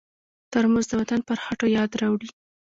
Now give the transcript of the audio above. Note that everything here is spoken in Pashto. ترموز د وطن پر خټو یاد راوړي.